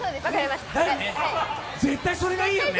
絶対それがいいよね！